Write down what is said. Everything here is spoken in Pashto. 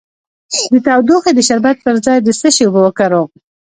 د ټوخي د شربت پر ځای د څه شي اوبه وکاروم؟